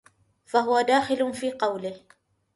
فَهُوَ دَاخِلٌ فِي قَوْلِهِ